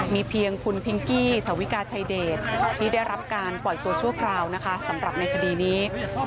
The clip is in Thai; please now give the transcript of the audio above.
มีเพียงคุณพิงกี้สวิกาชัยเดชที่ได้รับการปล่อยตัวชั่วคราวนะคะสำหรับในคดีนี้